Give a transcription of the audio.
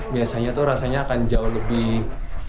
biasanya tuh rasanya akan jauh lebih